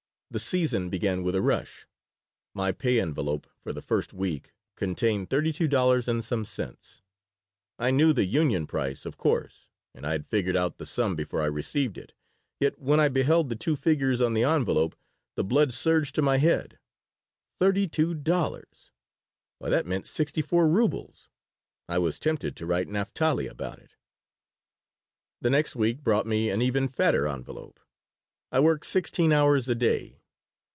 The "season" began with a rush My pay envelope for the first week contained thirty two dollars and some cents. I knew the union price, of course, and I had figured out the sum before I received it, yet when I beheld the two figures on the envelope the blood surged to my head. Thirty two dollars! Why, that meant sixty four rubles! I was tempted to write Naphtali about it The next week brought me an even fatter envelope. I worked sixteen hours a day.